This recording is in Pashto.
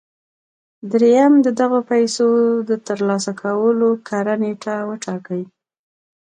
درېيم د دغو پيسو د ترلاسه کولو کره نېټه وټاکئ.